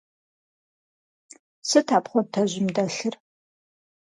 Сыт а пхъуантэжьым дэлъыр?